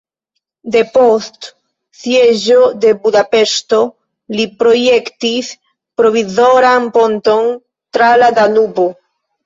Depost sieĝo de Budapeŝto li projektis provizoran ponton tra la Danubo.